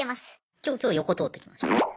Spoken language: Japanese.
今日横通ってきました。